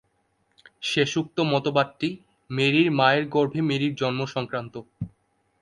শেষোক্ত মতবাদটি, মেরির মায়ের গর্ভে মেরির জন্ম-সংক্রান্ত।